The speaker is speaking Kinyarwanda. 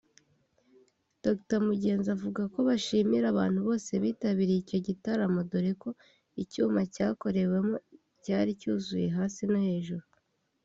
Dr Mugenzi avuga ko bashimira abantu bose bitabiriye icyo gitaramo doreko icyuma cyakorewemo cyari cyuzuye hasi no hejuru